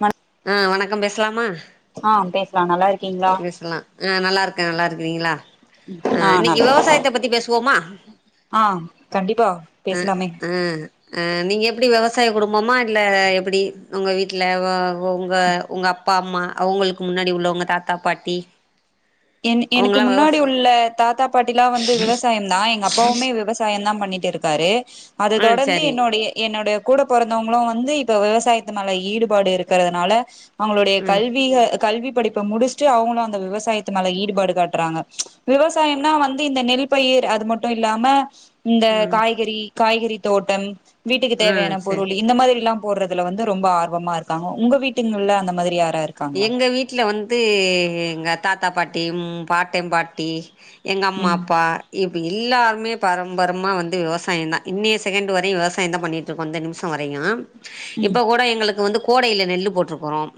மன ஆ வணக்கம் பேசலாமா ஆ பேசலாம் நல்லா இருக்கீங்களா சலா ஆ நல்லா இருக்க நல்லா இருக்கிறீங்களா ஆ இன்னைக்கு நல்லா இருக்கே விவசாயத்த பத்தி பேசுவோமா ஆ கண்டிப்பா பேசலாமே ம் அ நீங்க எப்படி விவசாய குடும்பமா இல்ல எப்படி உங்க வீட்டுல உங்க உங்க அப்பா அம்மா அவங்களுக்கு முன்னாடி உள்ளவங்க தாத்தா பாட்டி என் எனக்கு அவங்கல்லா முன்னாடி விவசா உள்ள தாத்தா பாட்டிலா வந்து விவசாய தா எங்க அப்பாவுமே விவசாய தா பண்ணிட்டு இருக் தாரு அத ஆ தொடர்ந்து சரி என்னுடைய என்னுடைய கூட பிறந்தவங்களும் வந்து இப்ப விவசாயத்து மேல ஈடுபாடு இருக்கிறதுனால அவங்களுடைய ம் கல்வி கல்வி படிப்ப முடிச்சுட்டு அவங்களு அந்த விவசாயத்த த்து மேல ஈடுபாடு காட்டுறாங்க விவசாயம்னா வந்து இந்த நெல் பயிர் அது மட்டு இல்லாம இந்த ம் காய்கறி காய்கறி தோட்டம் வீட்டுக்கு ம் தேவையான சரி பொருள் இந்த மாதிரில்லாம் போடுறதுல வந்து ரொம்ப ஆர்வமா இருக்காங்க உங்க வீட்டுங்கள்ள அந்த மாதிரி யாராரு எங்க வீட்டுல வந்து எங்க தாத்தா பாட்டி ம் பாட்டன் பாட்டி எங்க அம்மா ம் அப்பா இப்ப எல்லாருமே பாரம்பரமா வந்து விவசாய தான் இன்னைய செகண்ட் வரையு விவசாயதான் பண்ணிட்டு ருக்கோம் இந்த நிமிஷம் வரையூ ம் இப்ப கூட எங்களுக்கு வந்து கோடைல நெல்லு போட்டிருக்கறோம்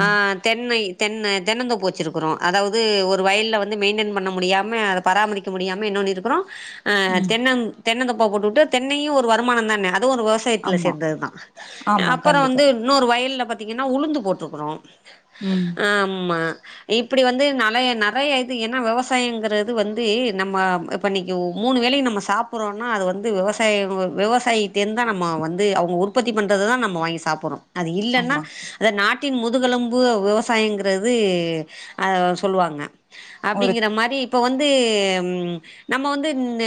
ம் ஆ தென்னை தென்னை தென்னந்தோப்பு வச்சிருக்குறோம் அதாவது ஒரு வயல்ல வந்து மெயின்டென் பண்ண முடியாம அத பராமரிக்க முடியாம என்ன பண்ணி இருக்கிறோம் அ ம் தென்ன தென்னதோபா போட்டுவிட்டு தென்னையு ஒரு வருமான தான அதுவு ஒரு விவச சாயத்தல ஆமா சேந்ததுதா ஆமா அப்பற கண்டிப்பா வந்து இன்னொரு வயல்லல பாத்தீங்கன்னா உளுந்து போட்ருக்கறோம் ம் ஆமா இப்படி வந்து நிறைய நிறைய இது ஏனா விவசாயங்கிறது வந்து நம்ம இப்ப இன்னைக்கு ஒ மூணு வேலையு நம்ம சாப்படுறோனா அது வந்து விவசாய விவசாயிட்ட இருந்துதா நம்ம வந்து அவங்க உ உற்பத்தி பண்றது தா நம்ம வாங்கி சாப்பிடறோ அது இல்லன்னா ஆமா அதை நாட் டின் முதுகெலும்பு விவசாயங்கிறது அ சொல்லுவாங்க ஒரு அப்டிங்கற மாரி இப்ப வந்து ம் நம்ம வந்து இந்த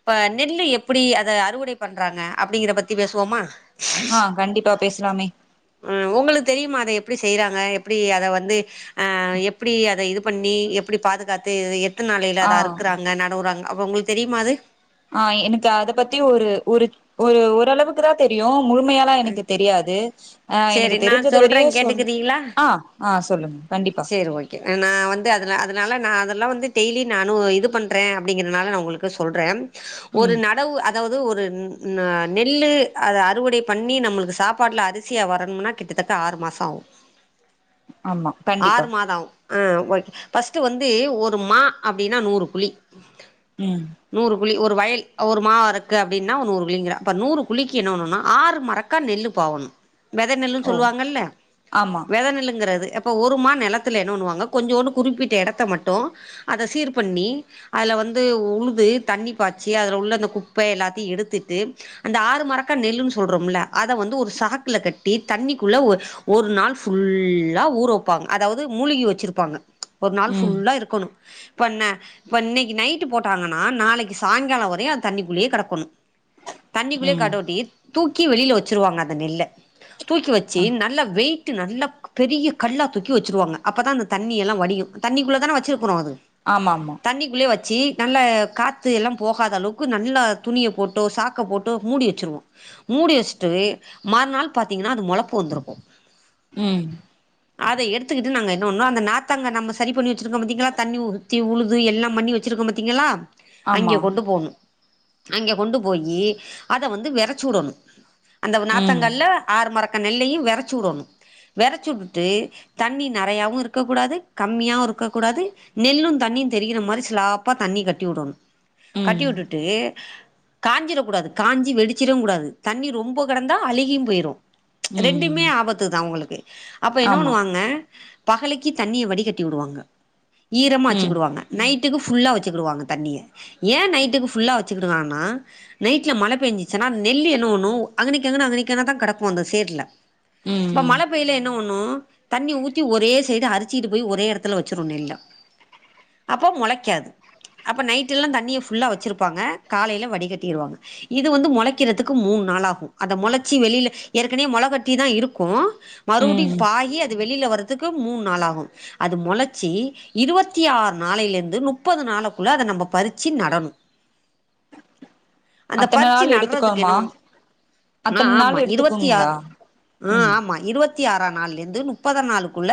இப்ப நெல்லு எப்டி அத அறுவடை பண்றாங்க அப்டிங்கற பத்தி பேசுவோமா ஆ கண்டிப்பா பேசலாமே அ உங்களுக்கு தெரியுமா அத எப்டி செய்றாங்க எப்டி அத வந்து ஆ எப்படி அத இது பண்ணி எப்படி பாதுகாத்து த்தனை நாளையில ஆ அத அறுக்குறாங்க நடவுறாங்க அப்ப உங்களுக்கு தெரியுமா அ து ஆ எனக்கு அத பத்தி ஒரு ஒரு ஒரு ஓரளவுக்கு தா தெரியு முழுமையா யா எனக்கு தெரியாது ஆ எனக்கு சேரி நா தெரிஞ்சது சொல்றே வரையு சொல் கேட்டுக்கிறீங்களா ஆ ஆ சொல்லுங்க கண்டிப்பா சேரி ஓகே அ நா வந்து அதுல அதுனால நா அதெல்லா வந்து டெய்லி நானு இது பண்ணுறே அப்டிங்கிறனால நா உங்களுக்கு சொல்றே ஒரு ம் நடவு அ அதாவது ஒரு நெல்லு அத அறுவடை பண்ணி நம்மளுக்கு சாப்பாடுல அரிசியா வரணும்னா கிட்டத்தட்ட ஆறு மாசம் ஆகு ஆமா கண்டிப்பா ஆறு மாதம் ஆகு ஆ ஓ ஃபஸ்ட் வந்து ஒரு மா அப்படின்னா நூறு குழி ம் நூறு குழி ஒரு வயல் ஒரு மா இருக்கு அப்டின்னா நூறு குழிங்கிற அப்ப நூறு குழிக்கு என்னண்ணுனா ஆறு மரக் க நெல் பவுண் வித நெல்லுனு ஓ சொல்வாங்கல ஆமா வித நெல்லுங்கறது அப்ப ஒ துமா நெலத்தல என்ன பண்ணுவாங்க கொஞ்சோன்னு குறிப்பிட்ட எடத்த மட்டு அத சீர் பண்ணி அதுல வந்து உழுது தண்ணி பாச்சி அதுல உள்ள அந்த குப்பை எல்லாத்தையு எடுத்துட்டு அந்த ஆறு மரக்கா நெல்லுன்னு சொல்றோம்ல அத வந்து ஒரு சாக்குல கட்டி தண்ணிக்குள்ள ஒ ஒரு நாள் ஃபுல்லா ஊறு ப்பாங்க அதாவது மூழ்கி வச்சுருப்பாங்க ஒரு நாள் ம் ஃபுல்லா இருக்கணு இப்பன்ன இப்ப இன்னைக்கு நைட்டு போட்டாங்கன்னா நாளைக்கு சாய்ங்கால வரையு அது தண்ணிக்குள்ளயே கிடக்கணு தண்ணிக்குள்ளேயே ம் கடோட்டி தூக்கி வெளில வச்சிருவாங்க அந்த நெல்ல தூக்கி வச்சு அ நல்லா வெயிட் நல்லா பெரிய கல்லா தூக்கி வச்சிருவாங்க அப்பதா அந்த தண்ணி எல்லா வடியும் தண்ணிக்குள்ள தானே வச்சிருக்கனும் அது ஆமா ஆமா தண்ணிக்குள்ளேயே வச்சு நல்லா காத்து எல்லாம் போகாத அளவுக்கு நல்லா துணிய போட்டோ சாக் க்க போட்டோ மூடி வச்சிருவோ மூடி வச்சுட்டு மறுநாள் பாத்தீங்கன்னா அது முளப்பு வந்திருக்கு ம் அதை எடுத்துக்கிட்டு நாங்க பண்ணோ அந்த நார்த்தாங்க நம்ம சரி பண்ணி வச்சிருக்கோம் பாத்தீங்களா தண்ணி ஊத்தி உழுது எல்லாம் பண்ணி ச்சிருக்கோ பாத்தீங்களா ஆமா அங்கே கொண்டு போணு அங்க கொண்டு போயி அதை வந்து வெறச்சு விடணும் அந்த ம் நார்த்தங்கால்ல ஆறு மரக்க நெல்லையும் வெறச்சு உடணும் வெறச்சி விட் ட்டு தண்ணி நெறையாவு இருக்க கூடாது கம்மியாவு இருக்க கூடாது நெல்லும் தண்ணியும் தெரிகிற மாதிரி சிலாப்பா தண்ணி கட்டி உடணும் கட்டி ம் விட்டுட்டு காஞ்சிறக் கூடாது காஞ்சி வெடிச்சிடவும் கூடாது தண்ணி ரொம்ப கிடந்தா அழுகியு போயிரு ரெண்டுமே ம் ஆபத்து தான் உவங்களுக்கு அப்ப என்ன ஆமா பண்ணுவாங்க பகலைக்கு தண்ணிய வடி கட்டி விடுவாங்க ஈரமா ம் வச்சிகிடுவாங்க நைட்டுக்கு ஃபுல்லா வச்சுக்கிடுவாங்க தண்ணிய ஏன் நைட்டுக்கு ஃபுல்லா வச்சுக்கிடுவாங்கன்னா நைட்ல மழ பெஞ்சுச்சுன்னா நெல் என்ன பண்ணும் அங்கனக்கங்கன அங்கனக்கங்கன தான் கிடக்கு அந்த சேர்ல ம் மழ பெயல இன்ன ஒண்ணு தண்ணி ஊத்தி ஒரே சைடு அரிச்சிட்டு போய் ஒரே எடத்துல வச்சிரு நெல்ல அப்போ மொளைக்காது அப்ப நைட்டு்ல்லா தண்ணிய ஃபுல்லா வச்சிருப்பாங்க காலையில வடிகட்டிருவாங்க இது வந்து மொளைக்கிறதுக்கு மூண் நாள் ஆகூ அத மொளைச்சி வெளியில ஏற்கனவே மொளகட்டிதா இருக்கூ மறுபடியும் ம் பாகி அது வெளியில வரதுக்கு மூணு நாள் ஆகூ அது மொளைச்சி இருவத்தி ஆறு நாளையிலருந்து நுப்பது நாளைக்குள்ள அத நம்ம பறிச்சி நடணும் அந்த அத்தன பறிச்சி நாள் நட்றதுக்கு எடுத்துக்கோமா என்ன ஒண்ணு நா அத்தன நாள் ஆமா இருவத்தி எடுத்துக்குங்களா ஆறு ஆ ம் ஆமா இருவத் த்தி ஆறான் நாள்ளேந்து நுப்பதா நாளுக்குள்ள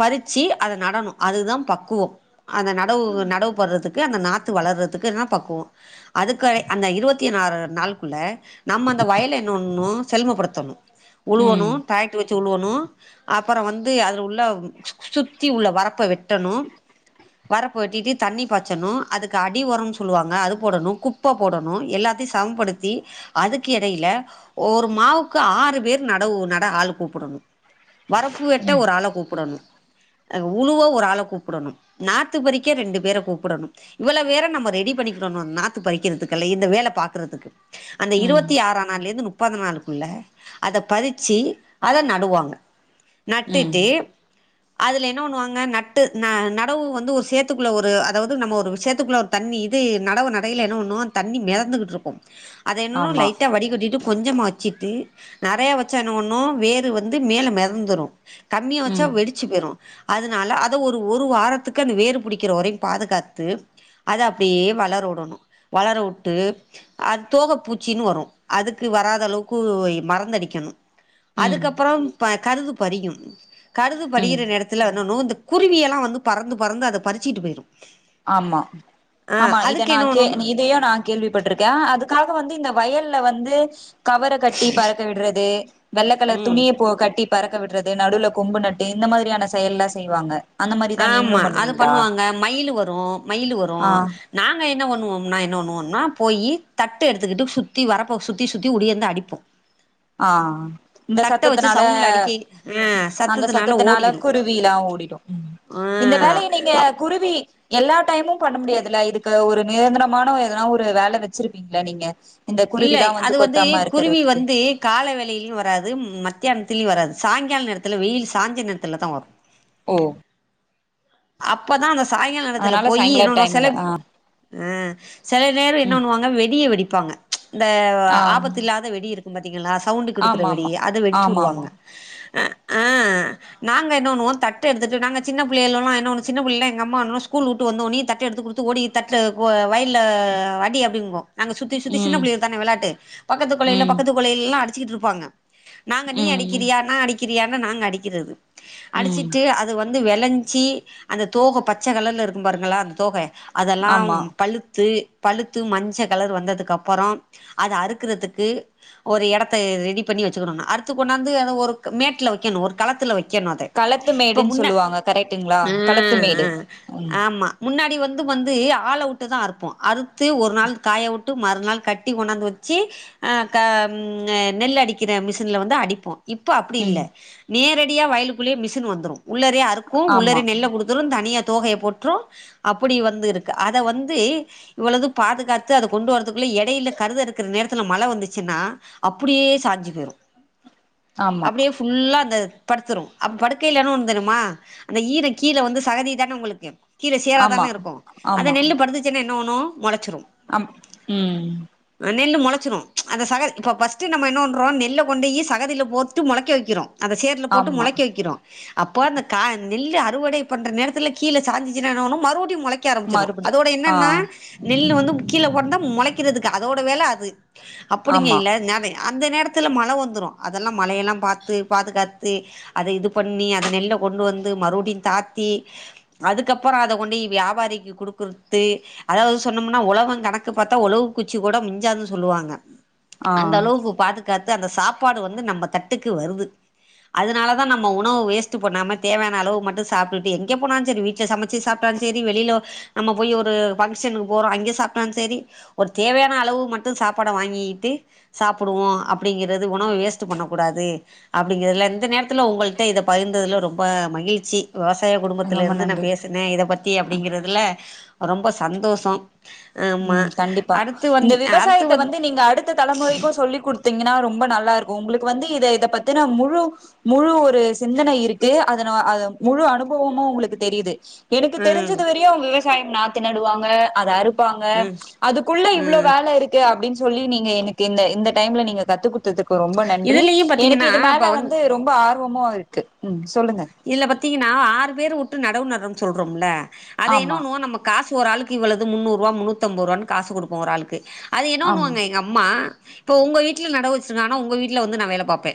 பறிச்சி அத நடனு அதுதான் பக்குவொம் அந்த நடவு நடவு போட்றதுக்கு அந்த நாத்து வளர்றதுக்கு என்னா பக்குவோ அதுக்கய் அந்த இருவத்தி நார் நாள் குள்ள நம்ம அந்த வயல என்னபன்னு செல்மப்படுத்தணு உழுவனு ம் தாக் சுழுவணு அப்பற வந்து அதுல உள்ள சுத்தி உள்ள வரப்ப வெட்டணு வரப்பு வெட்டிட்டு தண்ணி பாச்சணு அதுக்கு அடி ஒரன் சொல்லுவாங்க அது போடணு கு ப்ப போடணு எல்லாத்தையு சமம்படுத்தி அதுக்கு எடையில ஓர் மாவுக்கு ஆறு பேர் நடவு நட ஆள் கூ புடணு வரப்பு வெட்ட ம் ஒரு ஆள கூப்புடணு உழுவ ஒரு ஆள கூப்புடணு நாத்து பறிக்க ரெண்டு பேர கூப்புடணும் இவ்வள பேற நம்ம ரெடி பண்ணிக்கணும்ணு நாத்து பறிக்கிறதுக்கல்ல இந்த வேல பாக்குறதுக்கு அந்த ம் இருவத்தி ஆறான் நாள்லேந்து நுப்பது நாளுக்குள்ள அத பறிச்சி அத நடுவாங்க ம் நட்டுட்டு அதுல என்ன பண்ணுவாங்க நட்டு ந நடவு வந்து ஒரு சேத்துக்குள்ள ஒரு அதாவ்து நம்ம ஒரு சேத்துக்குள்ள தண்ணி இது நடவு நடையில என்ன பண்ணோ தண்ணி மெதந்துகிட்டு இருக்கூ அதை என்னன்னோ ஆமா லைட்டா வடிகட்டிட்டு கொஞ்சமாகிட்டு நறையா வச்சா என்ன பன்னு வேறு வந்து மேல மெதந்துரு கம்மியா வச்சா ம் வெடி ச்சிபேரும் அதனால அத ஒரு ஒரு வாரத்துக்கு அந்த வேறு புடிக்கிற வரையு பாதுகாத்து அத அப்டியே வளர வுடணு வளர வுட்டு அத் தோக பூச்சின்னு வரு அதுக்கு வராத அளவுக்கு மறந்தடிக்கணும் ம் அதுக்கப்பறம் ப கருது பரிக்கினும் கடுது ம் படியிற நேரத்துல வேணனு இந்த குருவிய எல்லா வந்து பறந்து பறந்து அத பறிச்சுட்டு பேயிரு ஆமா ஆமா இத நா கே ஒண்ணுன் இதையு நா கேள்விப்பட்ருக்கே அதுக்காக வந்து இந்த வயல்ல வந்து கவர கட்டி பறக்க விடுறது வெள்ளக்கல ம் துணிய போ கட்டி பறக்க விடுறது நடுவுல கொம்பு நட்டு இந்த மாதிரியான செயல்லா செய்வாங்க அந்த மாரிதா ஆமா நீங்களு அது பண்ணுவீங்ளா பண்ணுவாங்க மயிலு வரு மயிலு வரு நாங்க என்ன பண்ணுவோம்னா என்ன பண்ணுவோம்னா போயி தட்டு எடுத்துக்குட்டு சுத்தி வரப்போ சுத்தி சுத்தி உடியேந்து அடிப்போ ஆ இந்த தட்ட வச்சு சத்தத்தனால சவுண்ட்ல அடிக்கி ஆ அந்த சத்தத்துனால சத்தத்தனால ஓடிரு குருவில்லா ஓடிடு ம் ஆ இந்த வேலைய நீங்க அப் குருவி எல்லா டைமும் பண்ண முடியாதுல்ல இதுக்கு ஒரு நிரந்தரமான எதனா ஒரு வேல வெச்சிருப்பீங்ள நீங்க இந்த இல்லை குருவிலா அது வந்து கொத்தாம குருவி இருக்கறதுக்கு வந்து கால வேலையிலயு வராது மத்தியானத்துலயு வராது சாய்ங்கால நேரத்துல வெயில் சாஞ்ச நேரத்துல தா வரு ஓ அப்பதா அந்த சாய்ங்கால நேரத்துல அதனால போயி சாயங்கால என்னபண்ணு டைம்ல செலப் ஆ அ செல நேரோ என்ன ம் பண்ணுவாங்க வெடிய வெடிப்பாங்க இந்த ஆ ஆபத்து இல்லாத வெடி இருக் ம் பாத்தீங்களா சவுண்டு் குடுக்குற ஆமா வெடி ஆமா அத வெடிச்சு ஆமா ஆமா வுடுவாங்க அ ஆ நாங்க என்னவண்ணுவோ தட்டு எடுத்துட்டு நாங்க சின்ன பிள்ளைகளெல்லா என் இன்னொன்னு சின்ன புள்ளில்லா எங்க அம்மான்னு ஸ்கூல் வுட்டு வந்த ஒனே தட்டு எடுத்து குடுத்து ஓடி தட்டு ஓ வய்ல்ல அடி அப்பின் மோ நாங்க சுத்தி சுத்தி சின்ன ம் பிள்ளைல் தான வெளாட்டு பக்கத்து கொலைல ம் பக்கத்து கொலைல்லா அடிச்சிக்கிட்டு இருப்பாங்க நாங்க நீ ம் ம் அடிக்கிறியா நா அடிக்கிறியான்னு நாங் அடிக்கிறது ம் அடிச்சிட்டு அது வந்து வெளஞ்சி அந்த தோக பச்ச கலர்ல இருக்கும் பாருங்களா அந்த தோக அதெல்லாம் ஆமா பழுத்து பழுத்து மஞ்ச கலர் வந்ததுக்கு அப்பறோ அத அறுக்குறதுக்கு ஒரு யடத்த ரெடி பண்ணி வச்சுக்குடணு அறுத்து கொண்ணாந்து அத ஒருக் மேட்டுல வெக்கணு ஒரு களத்துல வெக் களத்து மேடுன் சொல்லுவாங்க கரெக்ட்டுங்களா ஆ களத்து மேடு ஆ ம் ஆமா முன்னாடி வந்து வந்து ஆள வுட்டு தா அறுப்போ அறுத்து ஒரு நாள் காய வுட்டு மறுநாள் கட்டி கொண்ணாந்து வச்சி ஆ க ம் அ நெல் அடிக்கிற மிஷின்ல வந்து அடிப்போ இப்ப அப்டி இல்ல ம் நேரடியா வயலுக்குள்ளே மிஷின் வந்துரு உள்ளாறயே அறுக்கு ஆமா உள்ளாறே கொடுத்துடு தனியா தோகையை போற்றும் அப்டி வந்து இருக்கு அதை வந்து இவ்வளவு பாதுகாத்து அத கொண்டு வர்ரதுக்குள்ள எடையில கருத அறுக்குற நேரத்துல மழ வந்துச்சுன்னா அப்புடியே சாஞ்சு போயிரு ஆமா அப்டியே புல்லா அந்த படுத்துரு அப்ப படுக்கையில என்ன பண்ணு தெரியுமா அந்த ஈர கீழே வந்து சகதி தானே உங்களுக்கு கீழே சேரா ஆமா தானே இருக்கு அதை ஆமா நெல்லு படுத்துச்சுன்னா என்ன பண்ணம் மொளச்சுரு அம் ம் நெல்லு மொளைச்சிரு அந் சகதி இப்போ ஃபஸ்ட்டு நம்ம என்ன பன்றோ நெல்ல கொண்டு போயி சகதில போட்டு மொளைக்க வெக்கிறோ அந்த சேர்ல போட்டு ஆமா மொளைக்க வெக்கிறோ அப்போ அந்த க நெல்ல அறுவடை பண்ற நேரத்துல கீழே சாஞ்சி சின்னா என்ன பண்ணு மறுபடியு மொளைக்க ஆரம்பிச்சிடு மறுபடி அதோட ஆ என்னன்னா நெல்லு வந்து கீழே கிடந்தா மொளைக்கிறதுக்கு அதோட வேல அது அப்டிங்க ஆமா இல்ல நேதே அந்த நேரத்தில மழை வந்துரு அதெல்லா மழையெல்லா பாத்து பாதுகாத்து அதை இது பண்ணி அத நெல்ல கொண்டு வந்து மறுபடியு தாத்தி அதுக்கப்புற அத கொண்டோயி வியாபாரிக்கு குடுக்குரத்து அதாவது சொன்னோம்னா உழவ கணக்கு பாத்தா உழவு குச்சி கூட மிஞ்சதுன்னுசொல்லுவாங்க ஆ அந்த அளவுக்கு பாதுகாத்து அந்த சாப்பாடு வந்து நம்ம தட்டுக்கு வருது அதனால தா நம்ம உணவு வேஸ்ட் பண்ணாம தேவையான அளவு மட்டு சாப்ட்டுட்டு எங்க போனாலு சரி வீட்ல சமச்சி சாப்ட்டாலு சரி வெளிலோ நம்ம போய் ஒரு ஃபங்க்ஷனுக்கு போறோ அங்கே சாப்ட்டான் செரி ஒரு தேவையான அளவு மட்டு சாப்பாட வாங்கிட்டு சாப்புடுவோ அப்டிங்கறது உணவு வேஸ்ட்டு பண்ணக் கூடாது அப்டிங்குறதுல இந்த நேரத்துல உங்கள்ட்ட இத பகிர்ந்ததுல ரொம்ப மகிழ்ச்சி வெவசாய குடும்பத்துல ரொம்ப இருந்து நா நன்றி பேசுனே இத பத்தி அப்டிங்கறதுல ரொம்ப சந்தோஷோ ஆமா ம் கண்டிப்பா அடுத்து வந் இந்த அடுத்து விவசாயத்த வந் வந்து நீங்க அடுத்த தலமுறைக்கு சொல்லிக்குட் தீங்கன்னா ரொம்ப நல்லா இருக்கு உங்களுக்கு வந்து இத இத பத்தினா முழு முழு ஒரு சிந்தனை இருக்கு அதன அது முழு அனுபவமு உங்களுக்கு தெரியுது எனக்கு ம் தெரிஞ்சது வரையு அவ்ங்க விவசாயம் நாத்து நடுவாங்க அதா அரு ங்க ம் அதுக்குள்ள இவ்வளவு ம் வேல இருக்கு அப்டின்னு சொல்லி நீங்க எனக்கு இந்த இந்த டைம்ல நீங்க கத்துகொ டுத்ததுக்கு ரொம்ப நன்றி இதுலயு எனக்கு பாத்தீங்கன்னா இது இப்ப மேல வந் வந்து ரொம்ப ஆர்வமு இருக்கு ம் சொல்லுங்க இதுல பத்தீங்கன்னா ஆறு பேர் உட்டு நடவு நடுறோம்னு சொல்றோம்ல அதை என்ன ஆமா பண்ணுவோ நம காசு ஒரு ஆளுக்கு இவ்வளவது முன்னூறு ரூா முன்னூத்திஐம்பது ரூ காசு கொடுப்ப ஒரு ஆளுக்கு அத என்ன ஆமா பண்ணுவாங்க எங்க அம்மா இப்ப உங்க வீட்டல நட வச்சிருக்கா உங்க வீட்டல வந்து நா வேல பாப்பே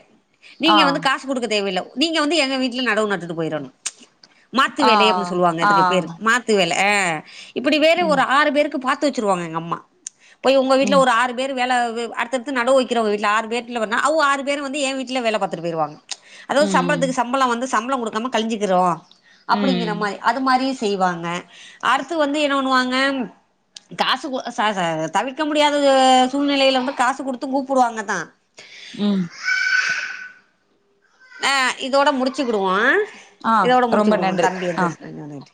ஆ நீங்க வந்து காசு குடுக்க தேவையில்லை நீங்க வந்து எங்க வீட்டுல நடவு நட்டுட்டு போயிடணு மாத்து ஆ வேலை அப்டின்னு சொல்லுவாங்க ஆ அதுக்கு பேர் மாத் இங்கு வேல ஆ இப்படி வேற ம் ஒரு ஆறு பேருக்கு பாத்து வச்சிருவாங்க எங்கம்மா போய் உங்க வீட்டல ம் ஒரு ஆறு பேரு வேல அடுத்தடுத்து நடவு வைக்கிறவங்க வீட்ல ஆறு பேத்துல அவங்க ஆறு பேரும் வந்து ஏ வீட்ல வேல பாத்துட்டு போயிருவாங்க ப்ச் அதாவது ம் சம்பளத்துக்கு சம்பள வந்து சம்பள கொடுக்காம கழிஞ்ஞிக்கிறோ அப்படிங்கிற ம் மாரி அது மாரியு செய்வாங்க அடுத்து வந்து என்ன பண்ணுவாங்க காசு ச ச தவிர்க்க முடியாதது சூழ்நிலையில வந்து காசு கொடுத்தும் கூப்புடுவாங்க தா ம் ஆ இதோட முடிசுக்கிடுவோ ஆ இதோட ரொம்ப முடிச்சுடுவோ நன்றி தம்பி ஆ வந்துச்சு [unintelligible]